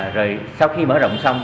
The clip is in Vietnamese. rồi sau khi mở rộng xong